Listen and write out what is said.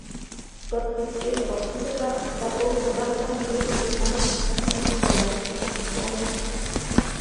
Gottfrieds Ehefrau Gisela war vor dem gewaltsamen Tod ihres Mannes in Sicherheit gebracht worden.